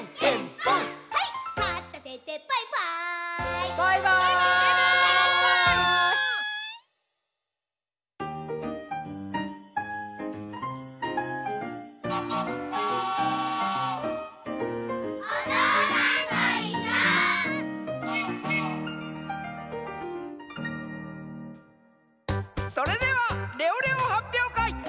それではレオレオはっぴょうかいスタートします！